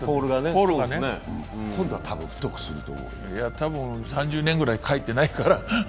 多分３０年ぐらい変えてないから。